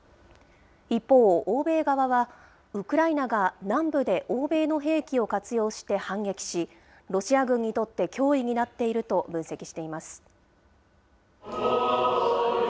一方、欧米側は、ウクライナが南部で欧米の兵器を活用して反撃し、ロシア軍にとって脅威になっていると分析しています。